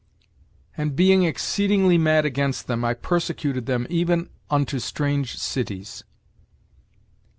"And being exceedingly mad against them, I persecuted them even unto strange cities."